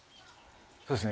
そうですね。